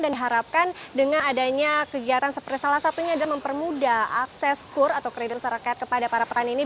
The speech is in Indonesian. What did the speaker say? dan diharapkan dengan adanya kegiatan seperti salah satunya adalah mempermudah akses kur atau kredit usaha rakyat kepada para petani ini